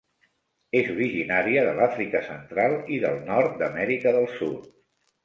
És originària de l'Àfrica central i del nord d'Amèrica del Sud.